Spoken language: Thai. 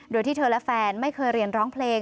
โดยที่เธอและแฟนไม่เคยเรียนร้องเพลง